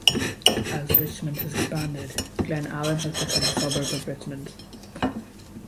As Richmond has expanded, Glen Allen has become a suburb of Richmond.